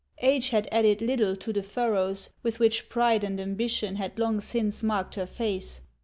Age had added little to the furrows with which pride and ambition had long since marked her face.